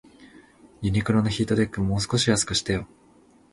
ユニクロのヒートテック、もう少し安くしてよ